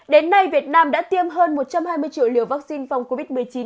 đến nay việt nam đã tiêm hơn một trăm hai mươi triệu liều vaccine phòng covid một mươi chín